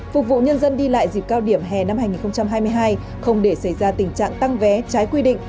phục vụ nhân dân đi lại dịp cao điểm hè năm hai nghìn hai mươi hai không để xảy ra tình trạng tăng vé trái quy định